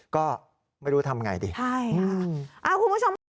ก็ไม่รู้ทำอย่างไรดีอืมใช่ค่ะคุณผู้ชม